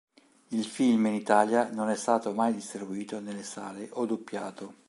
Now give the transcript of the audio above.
Il film in Italia non è stato mai distribuito nelle sale o doppiato.